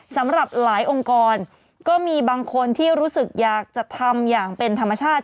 สำหรับหลายองค์กรก็มีบางคนที่รู้สึกอยากจะทำอย่างเป็นธรรมชาติ